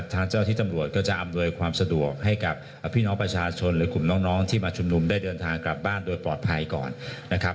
ทางเจ้าที่ตำรวจก็จะอำนวยความสะดวกให้กับพี่น้องประชาชนหรือกลุ่มน้องที่มาชุมนุมได้เดินทางกลับบ้านโดยปลอดภัยก่อนนะครับ